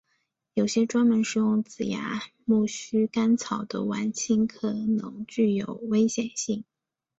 有些专门食用紫芽苜蓿干草的莞菁可能具有危险性。